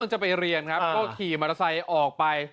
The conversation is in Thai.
จะไปเรียนครับก็ขี่มอเตอร์ไซค์ออกไป